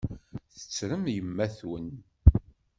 Tettrem yemma-twen?